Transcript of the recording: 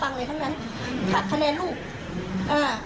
อันนี้น้องไม่รู้ค่ะ